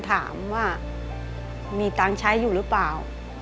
ถามว่ามีตังค์ใช้อยู่หรือเปล่า